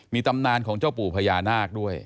มีตำนานของเจ้าปู่พญานาคด้วย